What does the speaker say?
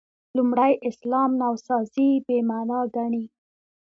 لومړي اسلام نوسازي «بې معنا» ګڼي.